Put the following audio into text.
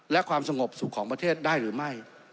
และความสงบสุขของประเทศได้หรือไม่